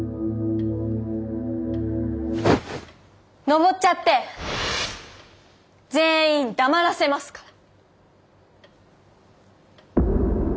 登っちゃって全員黙らせますから！